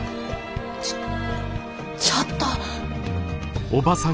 ちょちょっと。